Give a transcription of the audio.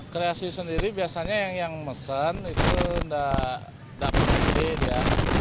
kreasi sendiri biasanya yang mesen itu tidak berbeda